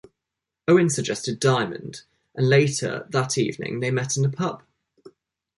Owen suggested Diamond, and later that evening they met in a pub.